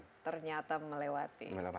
dan ternyata melewati